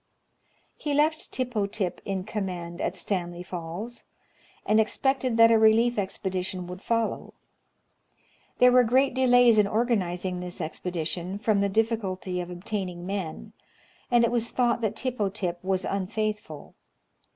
He le^ Tippo Tip in command at Stanley Falls, and expected that a relief expedition would follow. . There were great delays in organizing this expedition, from the difficulty of ob taining men, and it was thought that Tippo Tip was unfaithful.